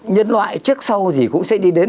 nhân loại trước sau gì cũng sẽ đi đến